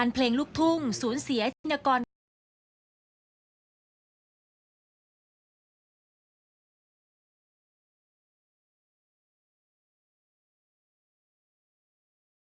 โปรดติดตามตอนต่อไป